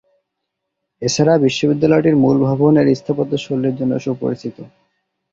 এছাড়া বিশ্ববিদ্যালয়টির মূল ভবন এর স্থাপত্যশৈলীর জন্য সুপরিচিত।